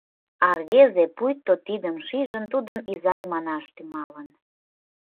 А рвезе пуйто тидым шижын, тудым изай манаш тӱҥалын.